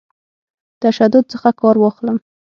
تشدد څخه کار واخلم.